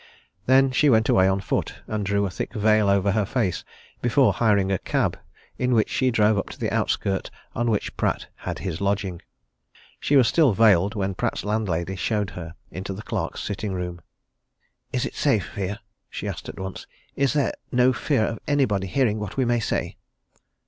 Then she went away on foot, and drew a thick veil over her face before hiring a cab in which she drove up to the outskirt on which Pratt had his lodging. She was still veiled when Pratt's landlady showed her into the clerk's sitting room. "Is it safe here?" she asked at once. "Is there no fear of anybody hearing what we may say?"